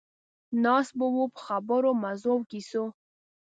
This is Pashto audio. ناست به وو په خبرو، مزو او کیسو.